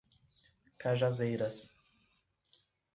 Cajazeiras